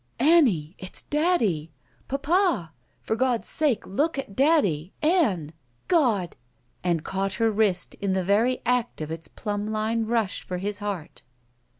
"Annie, it's daddy! Papa! For God's sake look at daddy — Ann! God!" And caught her wrist in the very act of its plumb line rush for his heart.